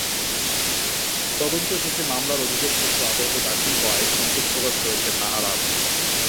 তদন্ত শেষে মামলার অভিযোগপত্র আদালতে দাখিল হওয়ায় সন্তোষ প্রকাশ করেছেন নাহার আহমেদ।